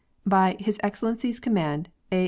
" By His Excellency's Command, "A.